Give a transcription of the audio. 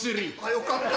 よかった。